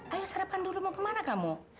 ayo serapkan dulu mau kemana kamu